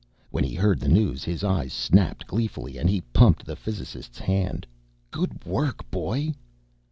When he heard the news, his eyes snapped gleefully and he pumped the physicist's hand. "Good work, boy!"